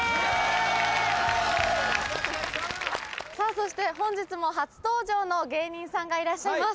そして本日も初登場の芸人さんがいらっしゃいます。